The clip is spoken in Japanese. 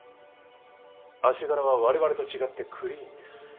足柄は我々と違ってクリーンです。